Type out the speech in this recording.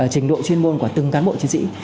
trình độ chuyên môn của từng cán bộ chiến sĩ